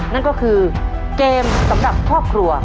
นั่นก็คือเกมสำหรับครอบครัว